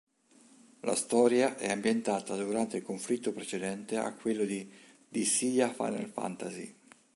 La storia è ambientata durante il conflitto precedente a quello di "Dissidia Final Fantasy".